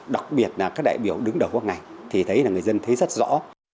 đặc biệt là các đại biểu đứng đầu quốc ngành thì thấy là người dân thấy rất rõ